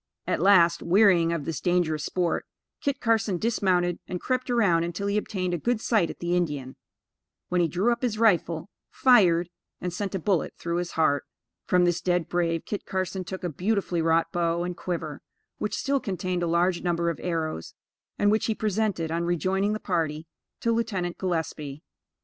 At last, wearying of this dangerous sport, Kit Carson dismounted, and crept around until he obtained a good sight at the Indian; when, he drew up his rifle, fired, and sent a bullet through his heart. From this dead brave, Kit Carson took a beautifully wrought bow and quiver, which still contained a large number of arrows, and which he presented, on rejoining the party, to Lieutenant Gillespie.